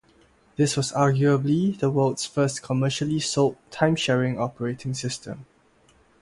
This was arguably the world's first commercially sold time-sharing operating system.